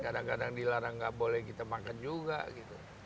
kadang kadang dilarang nggak boleh kita makan juga gitu